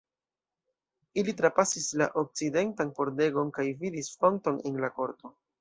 Ili trapasis la okcidentan pordegon kaj vidis fonton en la korto.